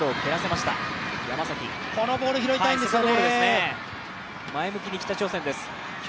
このボール拾いたいですね。